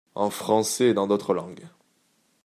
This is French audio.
En français et dans d'autres langues.